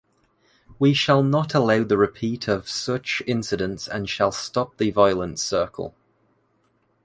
We shall not allow the repeat of such incidents and shall stop the violence circle.